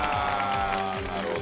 なるほどね。